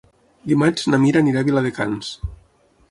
Dimarts na Mira anirà a Viladecans.